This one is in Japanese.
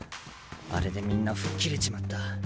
あれでみんな吹っ切れちまった。